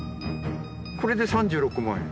これで３６万円。